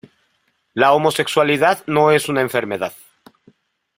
La homosexualidad no es una enfermedad.